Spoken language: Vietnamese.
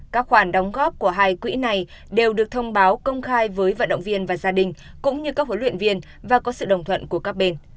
các khoản đóng góp của hai quỹ này đều được thông báo công khai với vận động viên và gia đình cũng như các huấn luyện viên và có sự đồng thuận của các bên